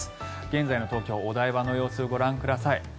現在の東京・お台場の様子ご覧ください。